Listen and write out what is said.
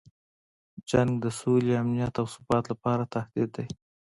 جنګ د سولې، امنیت او ثبات لپاره تهدید دی.